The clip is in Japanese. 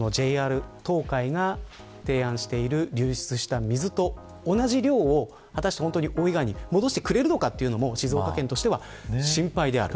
ＪＲ東海が提案している流出した水と同じ量を果たして、本当に大井川に戻せるかというところも静岡県としては心配である。